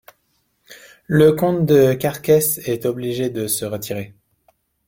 Le comte de Carcès est obligé de se retirer.